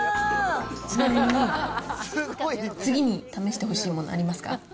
ちなみに次に試してほしいものありますか？